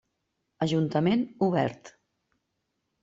Ajuntament Obert.